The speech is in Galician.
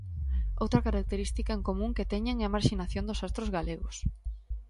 Outra característica en común que teñen é a marxinación dos astros galegos.